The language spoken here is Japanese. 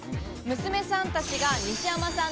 娘さんたちが西山さん